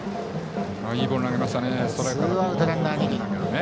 いいボール投げましたね。